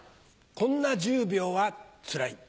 こんな１０秒はつらい。